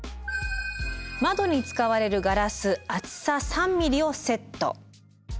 窓に使われるガラス厚さ３ｍｍをセット。